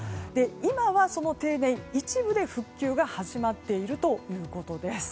今は、その停電一部で復旧が始まっているということです。